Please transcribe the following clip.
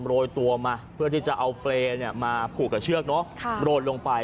โรยตัวมาเพื่อที่จะเอาเปรย์มาผูกกับเชือกเนอะโรยลงไป